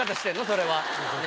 それは。